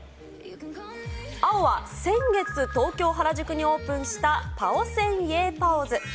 青は先月東京・原宿にオープンしたパオセンイェーパオズ。